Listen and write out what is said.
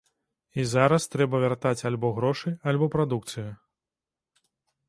І зараз трэба вяртаць альбо грошы, альбо прадукцыю.